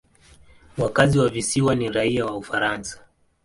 Wakazi wa visiwa ni raia wa Ufaransa.